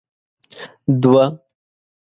دوه